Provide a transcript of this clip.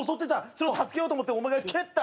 それを助けようと思ってお前が蹴った。